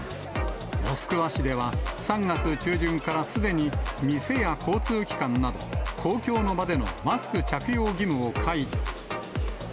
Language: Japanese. モスクワ市では、３月中旬からすでに店や交通機関など、公共の場でのマスク着用義務を解除。